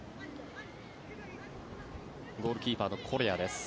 ゴールキーパーのコレアです。